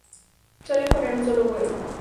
Suelen poner un solo huevo.